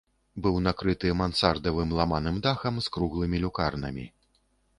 Быў накрыты мансардавым ламаным дахам з круглымі люкарнамі.